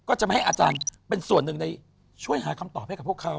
ก็จะไม่ให้อาจารย์เป็นส่วนหนึ่งในช่วยหาคำตอบให้กับพวกเขา